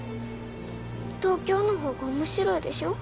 東京の方が面白いでしょ？